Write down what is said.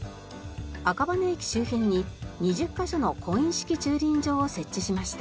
赤羽駅周辺に２０カ所のコイン式駐輪場を設置しました。